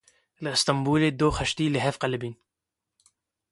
Li Stenbolê du keştî li hev qelibîn.